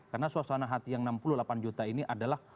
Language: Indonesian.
karena suasana hati yang enam puluh delapan juta ini adalah